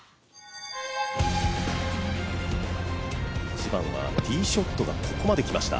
１番はティーショットがここまできました。